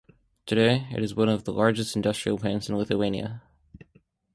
Today it is one of the largest industrial plants in Lithuania.